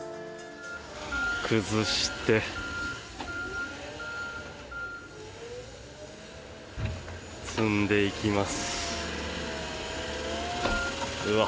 崩して、積んでいきます。